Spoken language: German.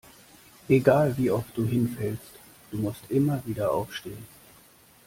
Egal wie oft du hinfällst, du musst immer wieder aufstehen.